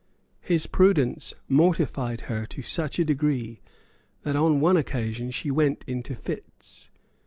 His prudence mortified her to such a degree that on one occasion she went into fits.